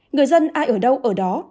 người dân ai ở đâu ở đó